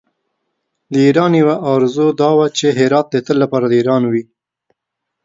د ایران یوه آرزو دا وه چې هرات د تل لپاره د ایران وي.